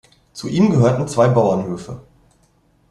Zu ihm gehörten zwei Bauernhöfe.